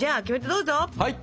はい！